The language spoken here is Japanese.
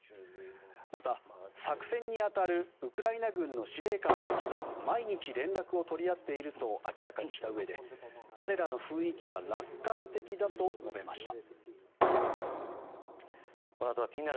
また、作戦に当たるウクライナ軍の司令官たちと毎日連絡を取り合っていると明らかにしたうえで彼らの雰囲気は楽観的だと述べました。